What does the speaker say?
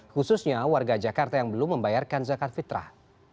khususnya warga jakarta yang belum membayarkan zakat fitrah